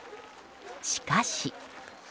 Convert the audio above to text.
しかし。